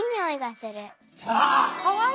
かわいい！